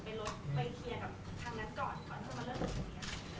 ก่อนที่จะมาเริ่มสอบความสงสัย